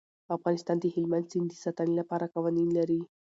افغانستان د هلمند سیند د ساتنې لپاره قوانین لري.